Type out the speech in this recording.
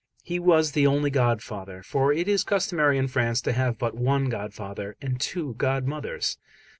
He was the only godfather; for it is customary in France to have but one godfather and two godmothers.